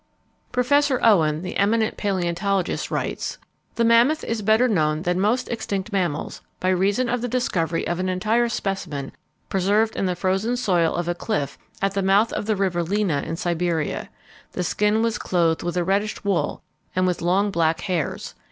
_ Professor Owen, the eminent paleontologist, writes: "The mammoth is better known than most extinct animals by reason of the discovery of an entire specimen preserved in the frozen soil of a cliff at the mouth of the river Lena in Siberia. The skin was clothed with a reddish wool, and with long black hairs.